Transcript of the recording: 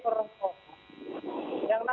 struktur kampanye yang ada